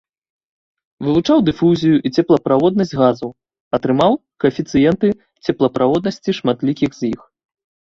Вывучаў дыфузію і цеплаправоднасць газаў, атрымаў каэфіцыенты цеплаправоднасці шматлікіх з іх.